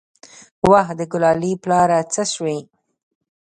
وه د ګلالي پلاره څه سوې.